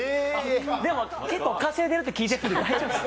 でも結構、稼いでいるって聞いているんで、大丈夫です。